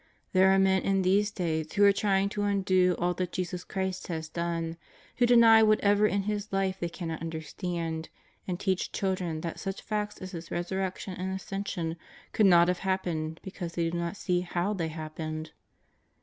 There are men in these days who are trying to undo all that Jesus Christ has done, who deny whatever in His Life they cannot understand, and teach children that such facts as His Resurrection and Ascension could not have happened because they do not see how they happened.